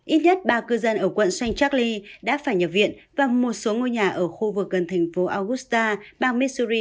ít nhất ba cư dân ở quận st charlie đã phải nhập viện và một số ngôi nhà ở khu vực gần thành phố augusta bang missouri